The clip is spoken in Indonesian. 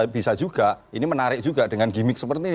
bisa juga ini menarik juga dengan gimmick seperti ini